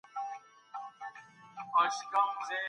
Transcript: د غاښونو برس هره ورځ وینځئ.